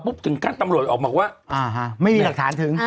ปุ๊บถึงการตำรวจออกบอกว่าอ่าฮะไม่มีหลักฐานถึงอ่า